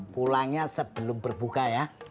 pulangnya sebelum berbuka ya